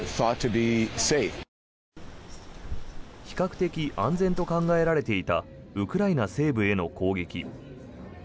比較的安全と考えられていたウクライナ西部への攻撃。